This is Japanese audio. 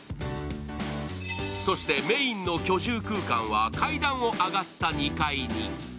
そして、メインの居住空間は階段を上がった２階に。